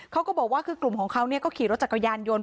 เขาก็บอกว่าคือกลุ่มของเขาก็ขี่รถจักรยานยนต์